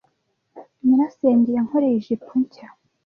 Nyirasenge yankoreye ijipo nshya.